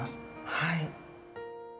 はい。